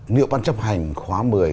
nhiệu bàn chấp hành khóa một mươi